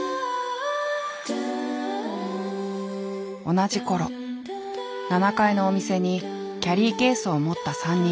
同じころ７階のお店にキャリーケースを持った３人組。